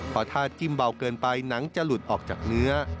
เพราะถ้าจิ้มเบาเกินไปหนังจะหลุดออกจากเนื้อ